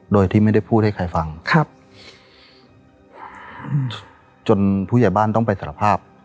โดยที่ไม่ได้พูดให้ใครฟังครับจนผู้ใหญ่บ้านต้องไปสารภาพ